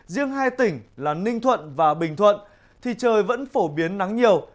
riêng hai tỉnh là ninh thuận và bình thuận thì trời vẫn phổ biến nắng nhiều